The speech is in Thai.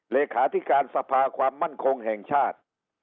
เลขาธิการสภาความมั่นคงแห่งชาติ